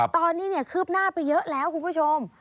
ตอนนี้คืบหน้าไปเยอะแล้วคุณผู้ชม